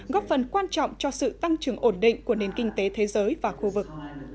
góp phần quan trọng cho sự tăng trưởng ổn định của nền kinh tế thế giới và khu vực